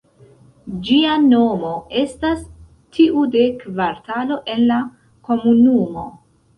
Ĝia nomo estas tiu de kvartalo en la komunumo.